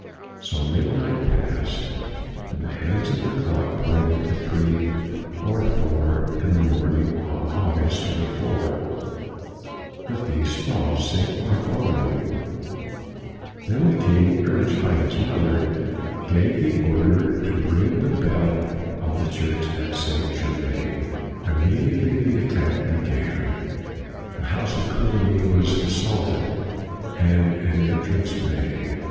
So midnight passed, and the hands of the clock pointed to three or four of the morn ing of August 24, the feast of St. Bartholo COLIGNY 163 mew. Then the king, urged by his mother, gave the order to ring the bell of the church of St. Germain. Immediately, the attack began. The house of Coligny was assaulted, and an entrance made.